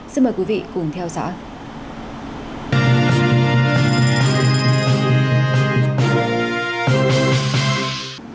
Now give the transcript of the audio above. xin mời quý vị cùng theo dõi